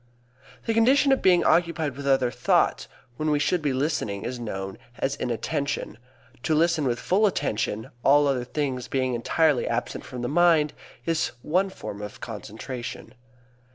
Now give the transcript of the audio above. The condition of being occupied with other thoughts when we should be listening is known as inattention. To listen with full attention, all other things being entirely absent from the mind, is one form of concentration.